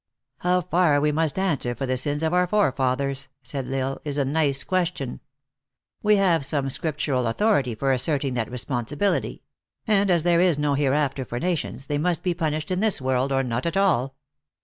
" How far we must answer for the sins of our fore fathers," said L Isle, "is a nice question. We have some scriptural authority for asserting that responsi bility ; and as there is no hereafter for nations, they must be punished in this world, or not at all.